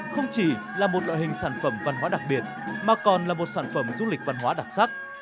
không chỉ là một loại hình sản phẩm văn hóa đặc biệt mà còn là một sản phẩm du lịch văn hóa đặc sắc